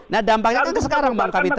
nah dampaknya kan itu sekarang bang kapitra